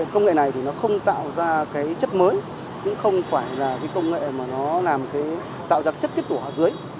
công nghệ này không tạo ra chất mới cũng không phải công nghệ tạo ra chất kết tổ dưới